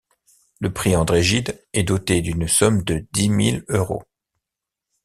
Le prix André-Gide est doté d’une somme de dix mille euros.